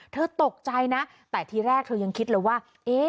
เธอตกใจนะแต่ทีแรกเธอยังคิดเลยว่า